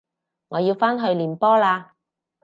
我要返去練波喇